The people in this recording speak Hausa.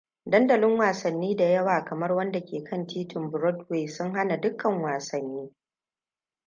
Dandalin wassani da yawa kamar wanda ke kan titin broadway sun hana dukkan wasanni.